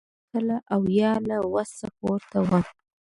دوی نه غوښتل او یا یې له وسه پورته وه